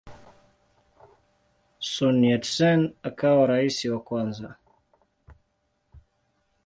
Sun Yat-sen akawa rais wa kwanza.